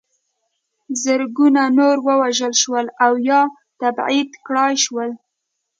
زرګونه نور ووژل شول او یا تبعید کړای شول.